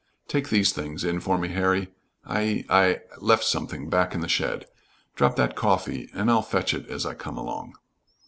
"Take these things in for me, Harry. I I left something back in the shed. Drop that coffee and I'll fetch it as I come along."